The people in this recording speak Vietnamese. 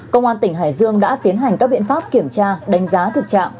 công an tỉnh hải dương đã tiến hành các biện pháp kiểm tra đánh giá thực trạng